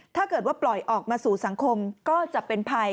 ถ้าเกิดว่าปล่อยออกมาสู่สังคมก็จะเป็นภัย